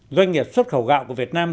doanh nghiệp xuất khẩu gạo của việt nam